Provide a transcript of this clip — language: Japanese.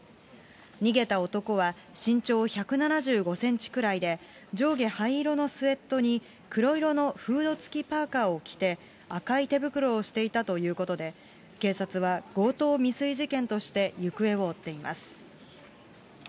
逃げた男は身長１７５センチくらいで、上下灰色のスエットに黒色のフード付きパーカーを着て、赤い手袋をしていたということで、警察は強盗未遂事件として行方を追っています。